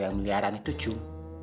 yang melihara itu jum